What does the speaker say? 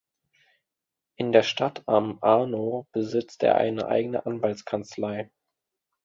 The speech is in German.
In der Stadt am Arno besitzt er eine eigene Anwaltskanzlei.